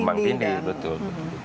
tumpang tindih betul